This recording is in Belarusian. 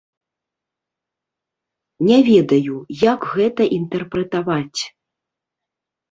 Не ведаю, як гэта інтэрпрэтаваць.